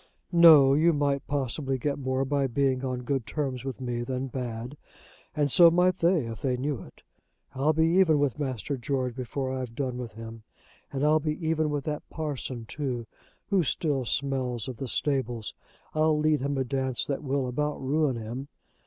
"No. You might possibly get more by being on good terms with me than bad. And so might they if they knew it. I'll be even with Master George before I've done with him; and I'll be even with that parson, too, who still smells of the stables. I'll lead him a dance that will about ruin him.